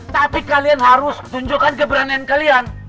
tapi kalian harus tunjukkan keberanian kalian